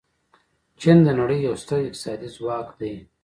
چین د نړۍ یو ستر اقتصادي ځواک دی.